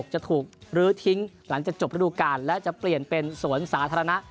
จะถูกลื้อทิ้งหลังจากจบระดูการและจะเปลี่ยนเป็นสวนสาธารณะ